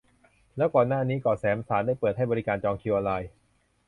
แล้วก่อนหน้านี้เกาะแสมสารได้เปิดให้บริการจองคิวออนไลน์